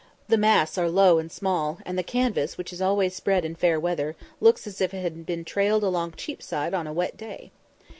The masts are low and small, and the canvas, which is always spread in fair weather, looks as if it had been trailed along Cheapside on a wet day.